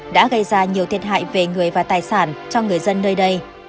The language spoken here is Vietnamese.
đã gây ra nhiều thiệt hại về người và tài sản cho người dân nơi đây